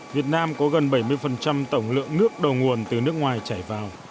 việt nam có gần bảy mươi tổng lượng nước đầu nguồn từ nước ngoài chảy vào